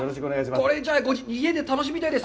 これじゃあ家で楽しみたいです。